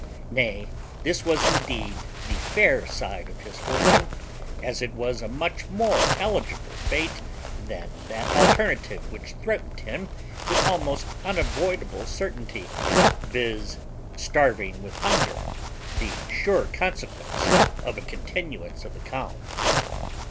nay, this was indeed the fair side of his fortune, as it was a much more eligible fate than that alternative which threatened him with almost unavoidable certainty, viz., starving with hunger, the sure consequence of a continuance of the calm.